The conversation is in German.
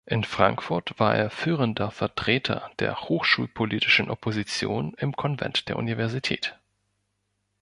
In Frankfurt war er führender Vertreter der hochschulpolitischen Opposition im Konvent der Universität.